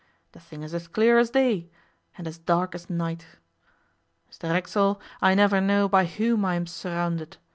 The thing is as clear as day and as dark as night. Mr Racksole, I never know by whom I am surrounded.